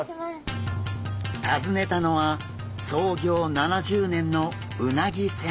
訪ねたのは創業７０年のうなぎ専門店。